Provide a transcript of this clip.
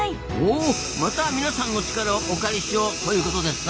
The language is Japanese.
おまた皆さんの力をお借りしようということですな。